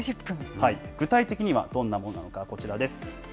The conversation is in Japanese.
具体的にはどんなものなのか、こちらです。